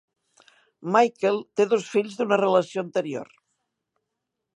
Michael té dos fills d'una relació anterior.